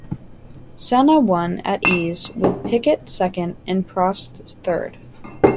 Senna won at his ease with Piquet second and Prost third.